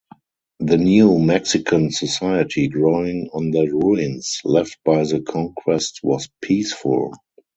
The new Mexican society growing on the ruins left by the conquest was peaceful.